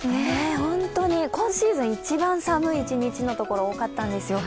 本当に、今シーズン一番寒い一日のところ、多かったんですよ。